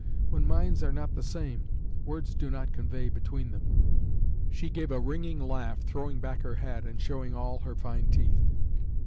When minds are not the same, words do not convey between them. She gave a ringing laugh, throwing back her head, and showing all her fine teeth.